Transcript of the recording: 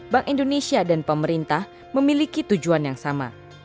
bank indonesia dan pemerintah memiliki tujuan yang sama